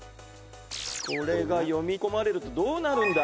これが読み込まれるとどうなるんだ？